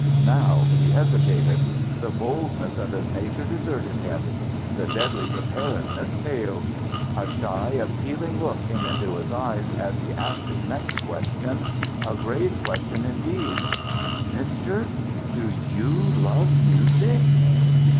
Now he hesitated. The boldness of his nature deserted him. The deadly preparedness failed. A shy appealing look came into his eyes as he asked his next question a grave question indeed: "_Mister, do you love music?